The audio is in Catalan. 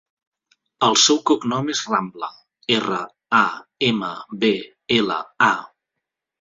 El seu cognom és Rambla: erra, a, ema, be, ela, a.